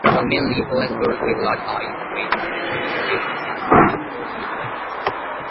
These are mainly forest birds with large eyes, straight slim bills and fluty voices.